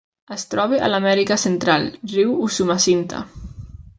Es troba a l'Amèrica Central: riu Usumacinta.